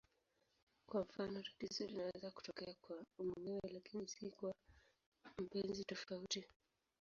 Kwa mfano, tatizo linaweza kutokea kwa mumewe lakini si kwa mpenzi tofauti.